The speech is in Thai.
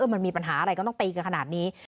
มันมีปัญหาอะไรก็ต้องตีกันขนาดนี้